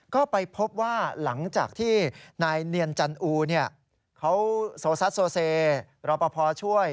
ก็ไปพบว่าหลังจากที่นายเนียนจันอูเขาโซซัสโซเซรอปภช่วย